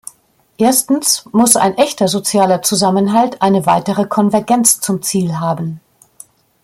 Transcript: Erstens muss ein echter sozialer Zusammenhalt eine weitere Konvergenz zum Ziel haben.